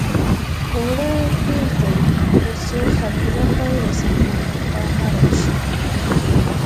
اوړه پرېږدي تر څو خمېره ښه ورسېږي او نرم شي.